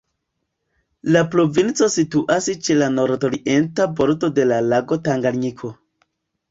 La provinco situas ĉe la nordorienta bordo de la lago Tanganjiko.